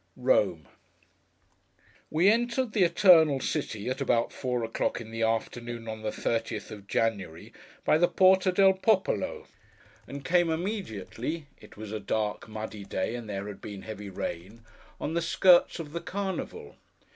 ROME WE entered the Eternal City, at about four o'clock in the afternoon, on the thirtieth of January, by the Porta del Popolo, and came immediately—it was a dark, muddy day, and there had been heavy rain—on the skirts of the Carnival.